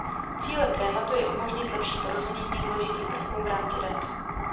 Cílem tématu je umožnit lepší porozumění důležitým prvkům v rámci dat.